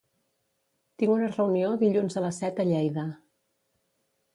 Tinc una reunió dilluns a les set a Lleida.